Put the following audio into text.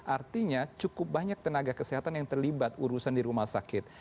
artinya cukup banyak tenaga kesehatan yang terlibat urusan di rumah sakit